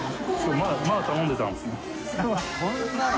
まだ頼んでたんですね。